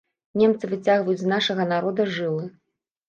Немцы выцягваюць з нашага народа жылы.